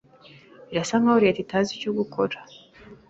Birasa nkaho leta itazi icyo gukora.